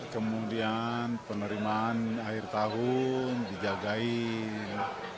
kemudian penerimaan akhir tahun dijagain